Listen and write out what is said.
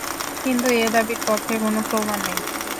কিন্তু এ দাবির পক্ষে কোন প্রমাণ নেই।